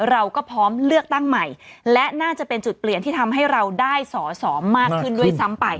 เราก็พร้อมเลือกตั้งใหม่และน่าจะเป็นจุดเปลี่ยนที่ทำให้เราได้สอสอมากขึ้นด้วยซ้ำไป